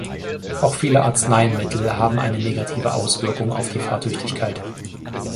Auch viele Arzneimittel haben eine negative Auswirkung auf die Fahrtüchtigkeit.